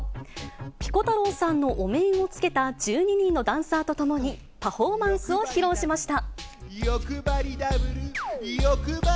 ピコ太郎さんのお面をつけた１２人のダンサーと共に、パフォーマンスを披露しました。